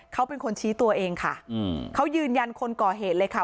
เขาเป็นคนชี้ตัวเองค่ะเขายืนยันคนก่อเหตุเลยค่ะ